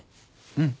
うん。